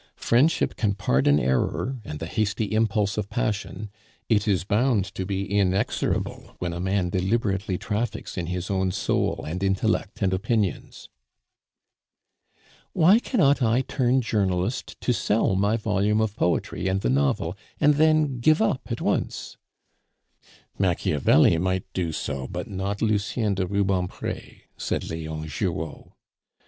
Friendship can pardon error and the hasty impulse of passion; it is bound to be inexorable when a man deliberately traffics in his own soul, and intellect, and opinions." "Why cannot I turn journalist to sell my volume of poetry and the novel, and then give up at once?" "Machiavelli might do so, but not Lucien de Rubempre," said Leon Giraud.